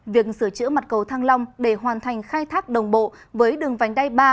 việc sửa chữa mặt cầu thăng long để hoàn thành khai thác đồng bộ với đường vành đai ba